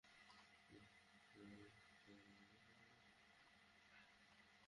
প্রথম শ্রেণির ক্রিকেটে সেঞ্চুরির সেঞ্চুরি করা একমাত্র এশীয় ব্যাটসম্যানও জহির আব্বাস।